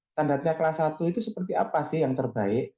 standarnya kelas satu itu seperti apa sih yang terbaik